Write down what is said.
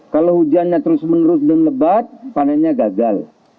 kalau hujannya terus menerus dan lebat panennya gagal